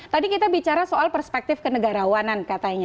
tadi kita bicara soal perspektif kenegarawanan katanya